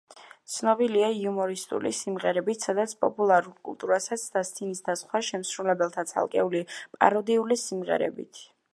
ცნობილია იუმორისტული სიმღერებით, სადაც პოპულარულ კულტურასაც დასცინის და სხვა შემსრულებელთა ცალკეული პაროდიული სიმღერებით.